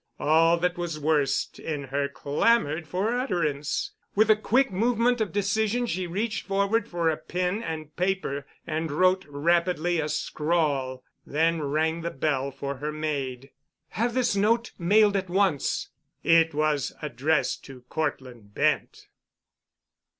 All that was worst in her clamored for utterance. With a quick movement of decision she reached forward for a pen and paper and wrote rapidly a scrawl, then rang the bell for her maid. "Have this note mailed at once." It was addressed to Cortland Bent.